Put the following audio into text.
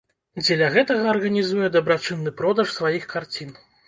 Дзеля гэтага арганізуе дабрачынны продаж сваіх карцін.